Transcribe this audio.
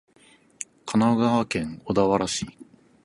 神奈川県小田原市